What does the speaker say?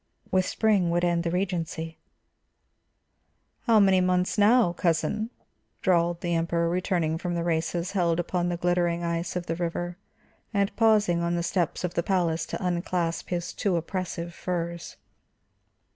With spring would end the regency. "How many months now, cousin?" drawled the Emperor, returning from the races held upon the glittering ice of the river, and pausing on the steps of the palace to unclasp his too oppressive furs.